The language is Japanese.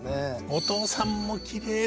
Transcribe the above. お父さんもきれいだね。